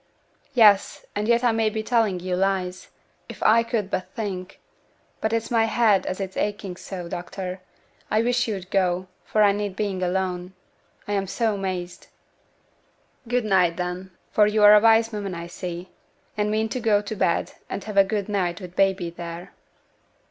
'Yes, and yet I may be telling yo' lies; if I could but think: but it's my head as is aching so; doctor, I wish yo'd go, for I need being alone, I'm so mazed.' 'Good night, then, for you're a wise woman, I see, and mean to go to bed, and have a good night with baby there.'